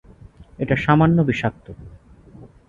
এটা সামান্য বিষাক্ত।